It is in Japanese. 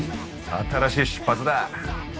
新しい出発だ。